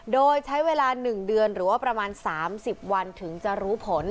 โดยใช้เวลา๑เดือนหรือว่าประมาณ๓๐วันถึงจะรู้ผล